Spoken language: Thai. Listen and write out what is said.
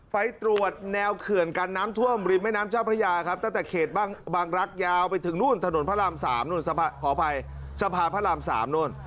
ไปตรวจแนวเขื่อนกันน้ำท่วมริมไอน้ำเจ้าพระยาตั้งแต่เขดบางลักษณ์ยาวไปถึงภาพระรามสาม